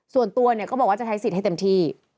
ส่วนตัวเนี่ยก็บอกว่าจะใช้สิทธิ์ให้เต็มที่